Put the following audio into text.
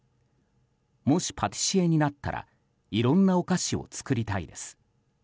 もしパティシエになったらいろんなお菓子を作りたいです。